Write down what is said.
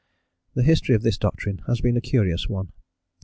The history of this doctrine has been a curious one.